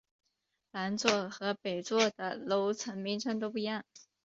南座和北座的楼层名称都不一样。